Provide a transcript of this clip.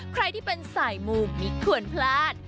ใครที่เป็นสายมูไม่ควรพลาด